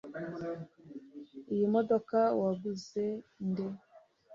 Iyi modoka waguze nde